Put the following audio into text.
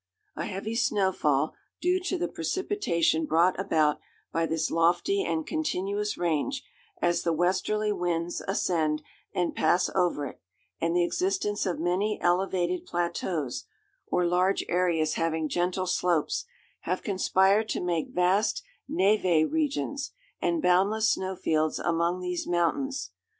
A heavy snowfall, due to the precipitation brought about by this lofty and continuous range, as the westerly winds ascend and pass over it, and the existence of many elevated plateaus, or large areas having gentle slopes, have conspired to make vast névé regions and boundless snowfields among these mountains.